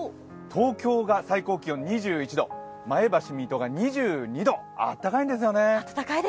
東京が最高気温２１度、前橋、水戸が２２度、あったかいんですよね。